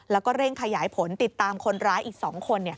แล้วก็เร่งขยายผลติดตามคนร้ายอีก๒คน